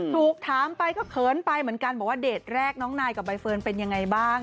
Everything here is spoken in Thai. ถูกถามไปก็เขินไปเหมือนกันบอกว่าเดทแรกน้องนายกับใบเฟิร์นเป็นยังไงบ้าง